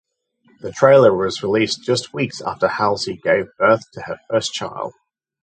The trailer was released just weeks after Halsey gave birth to her first child.